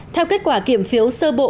theo kết quả kiểm phiếu sơ bộ